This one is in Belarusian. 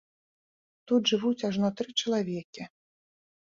Тут жывуць ажно тры чалавекі.